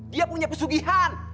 dia punya pusugihan